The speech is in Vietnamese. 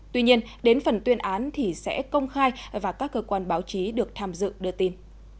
tuy nhiên đến phần tuyên án thì sẽ công khai và các cơ quan báo chí được tham dự đưa tin